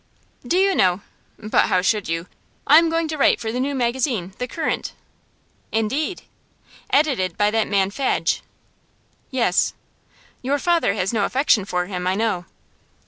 'Do you know but how should you? I am going to write for the new magazine, The Current.' 'Indeed!' 'Edited by that man Fadge.' 'Yes.' 'Your father has no affection for him, I know.